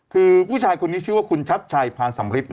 คือผู้ชายคนนี้ชื่อว่าคุณชัดชัยพานสำริท